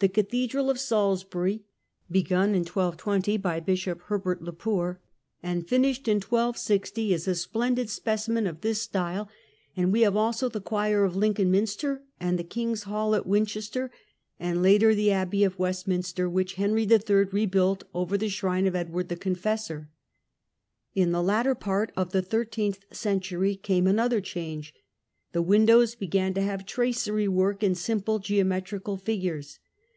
The cathedral of ^sbury, begun in 1220, by Bishop Herbert le Poer, and finished in 1260, is a splendid specimen of this style; and we have also the choir of Lincoln Minster, and the king's hall at Winchester, and later the abbey of Westminster, which Henry III. rebuilt over the shrine of Edward the Confessor. In the latter part of the thirteenth century came another change. The windows b^an to have tracery work in simple geometrical figures.